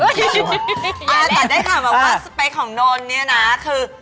แต่ได้ถามว่าสเปคของโน้นนี่นะคือ